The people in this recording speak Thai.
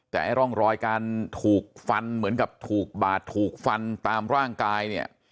แต่ไอ้ร่องรอยการถูกฟันเหมือนกับถูกบาดถูกฟันตามร่างกายเนี่ย